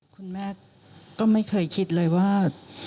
คุณแม่ก็ไม่เคยคิดเลยว่า